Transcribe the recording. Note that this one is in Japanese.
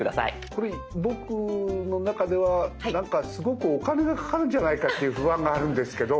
これ僕の中ではなんかすごくお金がかかるんじゃないかっていう不安があるんですけど。